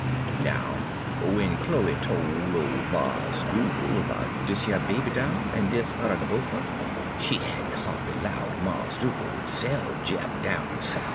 "Now, w'en Chloe tol' ole Mars' Dugal' 'bout dis yer baby doll en dis udder goopher, she had n' ha'dly 'lowed Mars' Dugal' would sell Jeff down Souf.